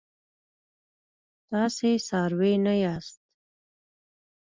تاسي څاروي نه یاست.